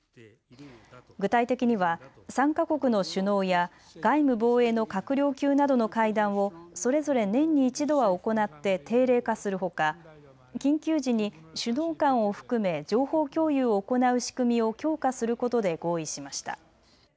具体的には３か国の首脳や外務防衛の閣僚級などの会談をそれぞれ年に１度は行って定例化するほか緊急時に首脳間を含め情報共有を行う仕組みを強化することで合意しました。